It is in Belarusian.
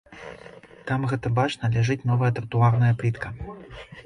Там гэта бачна, ляжыць новая тратуарная плітка.